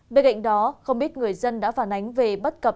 bên cạnh đó không ít người dân đã phản ánh về bất cập